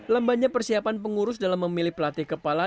lembanya persiapan pengurus dalam memilih pelatih kepala